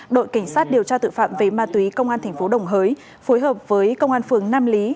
đội cảnh sát điều tra tội phạm về ma túy công an tp đồng hới phối hợp với công an phường nam lý